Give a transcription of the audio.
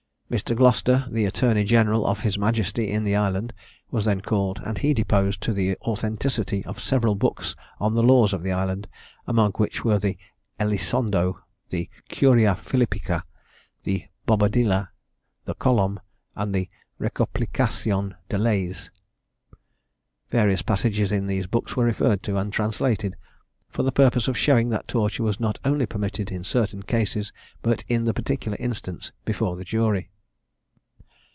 Mr. Gloucester, the Attorney General of his Majesty in the island, was then called, and he deposed to the authenticity of several books on the laws of the island, among which were the Elisondo, the Curia Philippica, the Bobadilla, the Colom, and the Recopilacion de Leyes. Various passages in these books were referred to, and translated, for the purpose of showing that torture was not only permitted in certain cases, but in the particular instance before the jury.